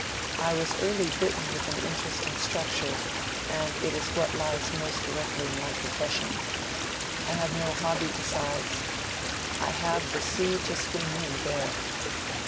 I was early bitten with an interest in structure, and it is what lies most directly in my profession. I have no hobby besides. I have the sea to swim in there."